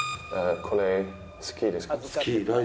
これ好きですか？